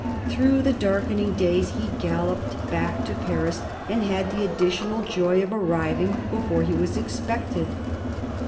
Through the darkening days he galloped back to Paris, and had the additional joy of arriving before he was expected.